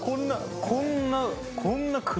こんなこんな。